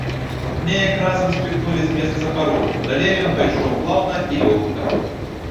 Неяк разам спіхнулі з месца паром, далей ён пайшоў плаўна і лёгка.